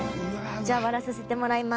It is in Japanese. じゃあ割らさせてもらいます。